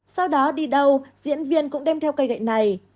sau đó đi đâu diễn viên cũng đem theo cây gậy này